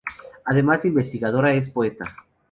Además de investigadora, es poeta.